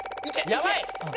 「やばい！」